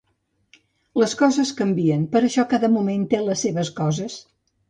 Les coses canvien, per això cada moment té les seves coses.